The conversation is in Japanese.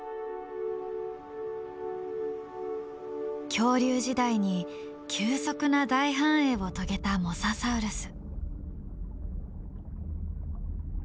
恐竜時代に急速な大繁栄を遂げたモササウルス。